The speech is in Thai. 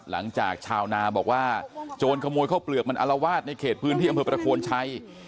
ชาวนาบอกว่าโจรขโมยข้าวเปลือกมันอารวาสในเขตพื้นที่อำเภอประโคนชัย